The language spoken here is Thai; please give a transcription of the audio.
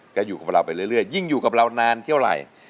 ก็อยู่กับเราไปเรื่อยยิ่งอยู่กับเรานานเท่าไหร่